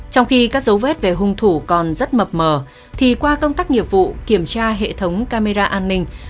trong khi các dấu vết về hung thủ còn rất mập mờ thì qua công tác nghiệp vụ kiểm tra hệ thống camera an ninh